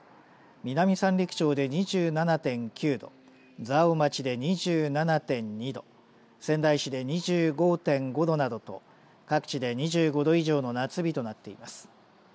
南三陸町で２７．９度蔵王町で２７．２度仙台市で２５．５度などと各地で２５度以上の夏日となっています。